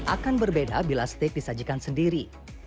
akan berbeda bila steak disajikan sendiri